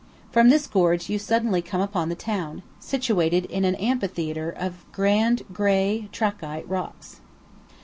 From this gorge you suddenly come upon the town, situated in an amphitheatre of grand gray, trachyte rocks.